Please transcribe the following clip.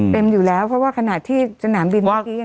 เต็มอยู่แล้วเพราะว่าขนาดที่สนามบินที่ยังกิน